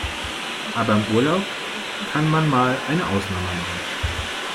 Aber im Urlaub kann man mal eine Ausnahme machen.